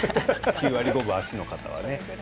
９割５分、脚の方は。